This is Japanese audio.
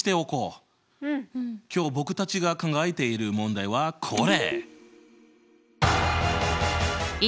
今日僕たちが考えている問題はこれ！